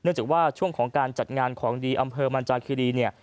เนื่องจากว่าช่วงจัดงานอำเภอและมันจาคิรี